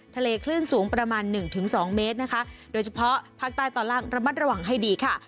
ทะเลคลื่นสูงประมาณ๑๒เมตรนะคะโดยเฉพาะภาคใต้ตอนล่างระมัดระวังให้ดีค่ะ